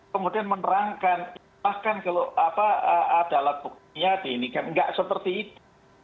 kemudian menerangkan bahkan kalau ada alat buktinya di ini kan nggak seperti itu